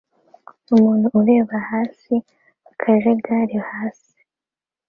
Umuntu ureba hasi akajagari hasi